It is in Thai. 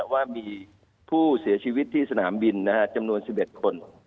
ว่ามีผู้เสียชีวิตที่สนามบินจำนวน๑๑คน